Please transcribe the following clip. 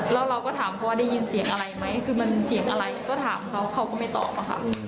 แล้วเราก็ถามเขาว่าได้ยินเสียงอะไรไหมคือมันเสียงอะไรก็ถามเขาเขาก็ไม่ตอบอะค่ะ